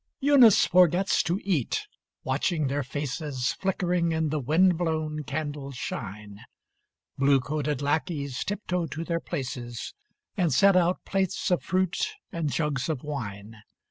XXI Eunice forgets to eat, watching their faces Flickering in the wind blown candle's shine. Blue coated lackeys tiptoe to their places, And set out plates of fruit and jugs of wine.